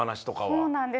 そうなんです。